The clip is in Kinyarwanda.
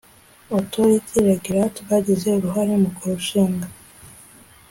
authorityto regulate bagize uruhare mu kurishinga